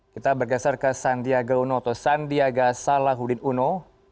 kita bergeser ke sandiaga uno atau sandiaga salahuddin uno